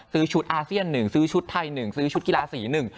ซื้อชุดอาเซียน๑ซื้อชุดไทย๑ซื้อชุดกีฬาสี๑